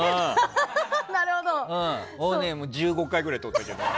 １５回くらいとったけど。